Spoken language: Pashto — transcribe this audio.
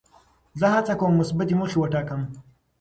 زه هڅه کوم مثبتې موخې وټاکم.